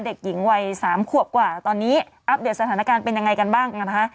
เด็กหญิงวัย๓ขวบกว่าตอนนี้อัปเดตสถานการณ์เป็นยังไงกันบ้างนะคะ